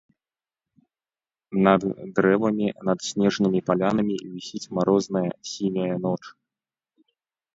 Над дрэвамі, над снежнымі палянамі вісіць марозная сіняя ноч.